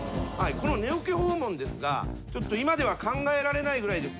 この寝起き訪問ですがちょっと今では考えられないぐらいですね